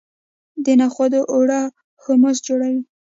د نخودو اوړه هومس جوړوي.